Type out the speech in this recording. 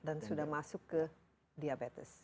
dan sudah masuk ke diabetes